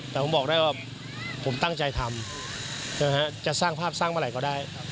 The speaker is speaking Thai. แต่ผมบอกได้ว่าผมตั้งใจทำจะสร้างภาพสร้างเมื่อไหร่ก็ได้